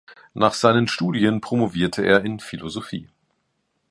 Nach seinen Studien promovierte er in Philosophie.